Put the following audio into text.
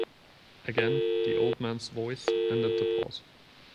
Again the old man’s voice ended the pause.